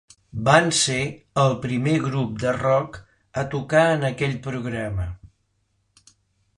Van ser el primer grup de rock a tocar en aquell programa.